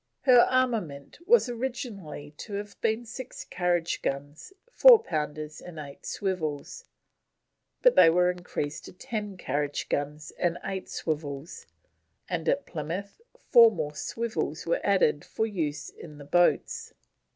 Her armament was originally to have been six carriage guns, four pounders, and eight swivels, but they were increased to ten carriage guns and eight swivels, and at Plymouth four more swivels were added for use in the boats.